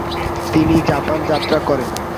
তিনি জাপান যাত্রা করেন।